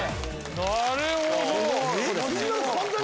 なるほど！